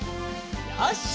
よし！